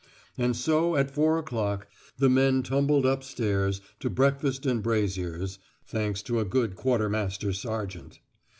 And so at four o'clock the men tumbled upstairs to breakfast and braziers (thanks to a good quartermaster sergeant).